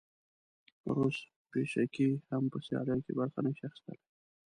روسۍ پیشکې هم په سیالیو کې برخه نه شي اخیستلی.